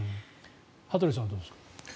羽鳥さんはどうですか。